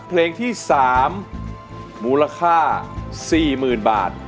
เพลงที่๓มูลค่า๔๐๐๐บาท